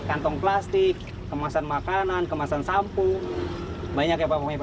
kantong plastik kemasan makanan kemasan sampul banyak ya pak ya lanjut lagi pak